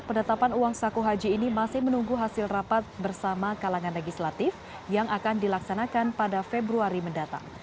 penetapan uang saku haji ini masih menunggu hasil rapat bersama kalangan legislatif yang akan dilaksanakan pada februari mendatang